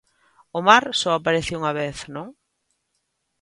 O mar só aparece unha vez, non?